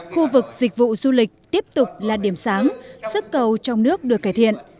khu vực dịch vụ du lịch tiếp tục là điểm sáng sức cầu trong nước được cải thiện